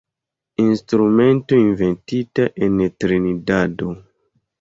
Instrumento inventita en Trinidado.